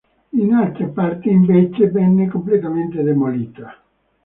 In altre parti invece venne completamente demolita.